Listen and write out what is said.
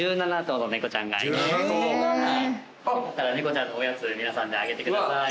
猫ちゃんのおやつ皆さんであげてください。